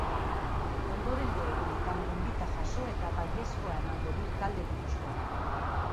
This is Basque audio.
Ondorengo egunetan gonbita jaso eta baiezkoa emango du talde gipuzkoarrak.